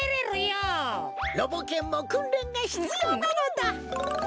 ロボ犬もくんれんがひつようなのだ。